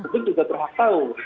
kita juga berhak tahu